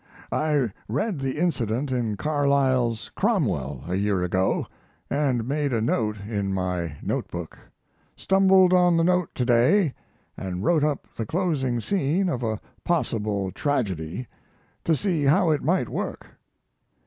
I read the incident in Carlyle's Cromwell a year ago, and made a note in my note book; stumbled on the note to day, and wrote up the closing scene of a possible tragedy, to see how it might work.